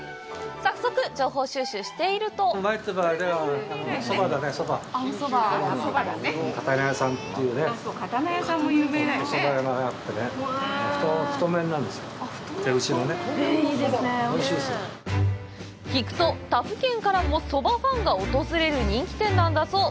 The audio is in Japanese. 早速、情報収集していると聞くと、他府県からもそばファンが訪れる人気店なんだそう。